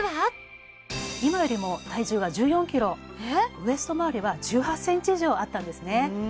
今よりも体重は１４ｋｇウエストまわりは１８ｃｍ以上あったんですね